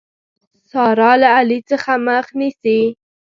سارا له علي څخه مخ نيسي.